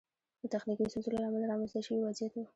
د تخنیکي ستونزو له امله رامنځته شوی وضعیت و.